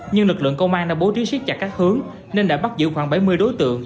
nhưng lực lượng công an đã bố trí siết chặt các hướng nên đã bắt giữ khoảng bảy mươi đối tượng